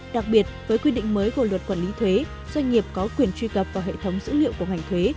đặc biệt với quy định mới của luật quản lý thuế doanh nghiệp có quyền truy cập vào hệ thống dữ liệu của ngành thuế